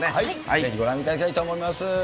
ぜひご覧いただきたいと思います。